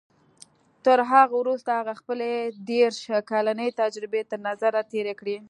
تر هغه وروسته هغه خپلې دېرش کلنې تجربې تر نظر تېرې کړې.